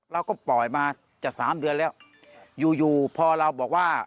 เราก็ปล่อยมาจะสามเดือนแล้วอยู่อยู่พอเราบอกว่า